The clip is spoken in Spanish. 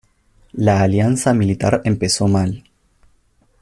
La alianza militar empezó mal.